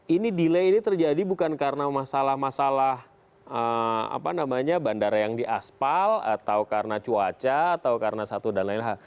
ini delay ini terjadi bukan karena masalah masalah bandara yang diaspal atau karena cuaca atau karena satu dan lain hal